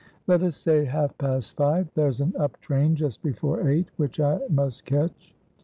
"Let us say half past five. There's an up train just before eight, which I must catch."